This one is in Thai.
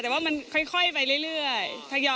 แต่ว่ามันค่อยไปเรื่อย